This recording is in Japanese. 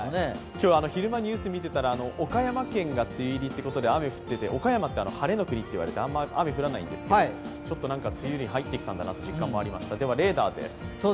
今日、昼間ニュース見てたら、岡山県が梅雨入りということで雨が降っていて、岡山は晴れの国と言われてあまり雨が降らないんですけれども、梅雨に入ったんだなとではレーダーです。